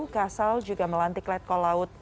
kasal juga melantik light column